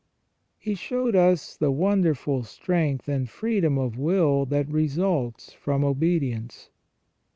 He showed us the wonderful strength and freedom of will that results from obedience.